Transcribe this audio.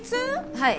はい。